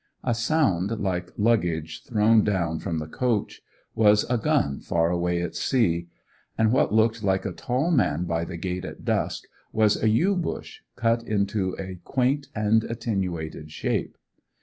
A sound like luggage thrown down from the coach was a gun far away at sea; and what looked like a tall man by the gate at dusk was a yew bush cut into a quaint and attenuated shape.